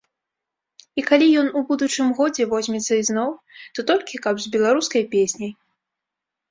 І калі ён у будучым годзе возьмецца ізноў, то толькі каб з беларускай песняй.